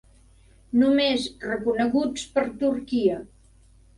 Només reconeguts per Turquia.